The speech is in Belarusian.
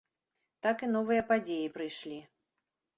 Так і новыя падзеі прыйшлі.